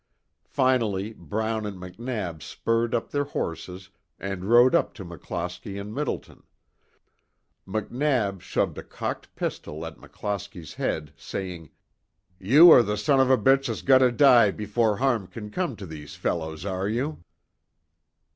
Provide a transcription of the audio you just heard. Finally Brown and McNab spurred up their horses and rode up to McClosky and Middleton. McNab shoved a cocked pistol at McClosky's head saying: "You are the s of a b that's got to die before harm can come to these fellows, are you?"